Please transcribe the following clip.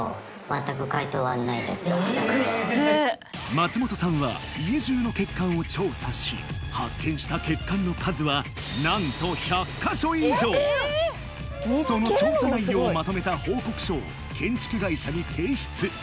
松本さんは家じゅうの欠陥を調査し発見した欠陥の数は何とその調査内容をまとめた報告書を建築会社に提出